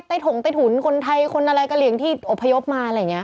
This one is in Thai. ถงใต้ถุนคนไทยคนอะไรกะเหลี่ยงที่อบพยพมาอะไรอย่างนี้